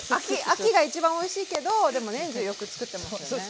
秋が一番おいしいけどでも年中よく作ってますよね。